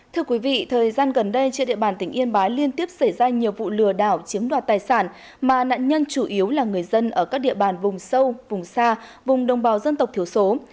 thưa quý vị thời gian gần đây trên địa bàn tỉnh yên bái liên tiếp xảy ra nhiều vụ lừa đảo chiếm đoạt tài sản mà nạn nhân chủ yếu là người dân ở các địa bàn vùng sâu vùng xa vùng đồng bào dân tộc thiểu số